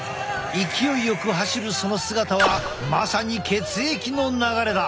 勢いよく走るその姿はまさに血液の流れだ！